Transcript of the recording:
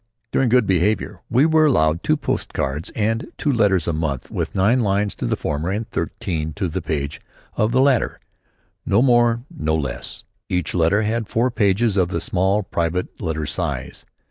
During good behavior we were allowed two post cards and two letters a month, with nine lines to the former and thirteen to the page of the latter. No more, no less. Each letter had four pages of the small, private letter size.